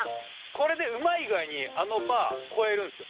これでうまい具合にあのバー越えるんすよ。